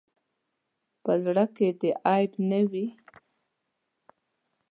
په زړۀ کې دې عیب نه وي.